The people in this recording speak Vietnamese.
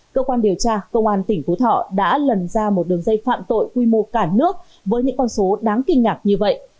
cơ quan điều tra công an tỉnh phú thọ đã lần ra một đường dây phạm tội quy mô cả nước với những con số đáng kinh ngạc như vậy